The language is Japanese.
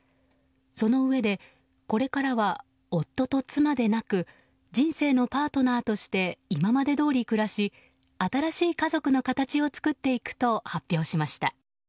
そのうえで、これからは夫と妻でなく人生のパートナーとして今までどおり暮らし新しい家族の形を作っていくと発表しました。